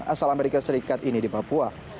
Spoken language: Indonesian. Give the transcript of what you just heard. asal amerika serikat ini di papua